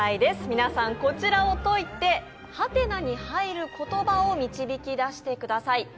皆さんこちらを解いてはてなに入る言葉を導き出してください。